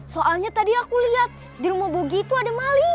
soalnya tadi aku lihat di rumah bugi itu ada maling